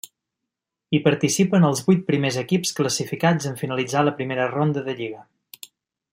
Hi participen els vuit primers equips classificats en finalitzar la primera ronda de lliga.